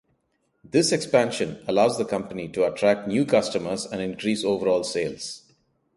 This expansion allows the company to attract new customers and increase overall sales.